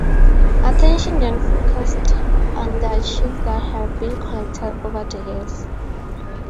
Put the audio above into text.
Attention then focused on the archive that had been collected over the years.